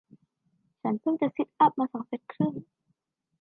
ฉันเพิ่งจะซิทอัพมาสองเซ็ทครึ่ง